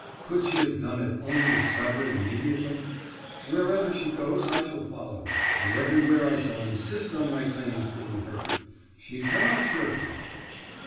Could she have done it only to sever it immediately? Wherever she goes I shall follow her, and everywhere I shall insist on my claims being heard. She cannot shirk them."